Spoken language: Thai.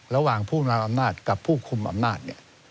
ระหว่างผู้วางอำนาจกับผู้คุมอำนาจ